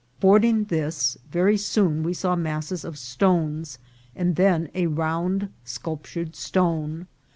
Fording this, very soon we saw masses of stones, and then a round sculptured stone.